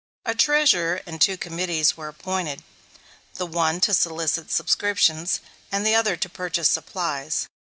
A treasurer and two committees were appointed; the one to solicit subscriptions, and the other to purchase supplies.